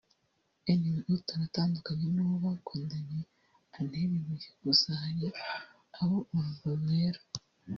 anyway utaratandukana n’uwo bakundanye antere ibuye gusa hari abo urubwa rubera”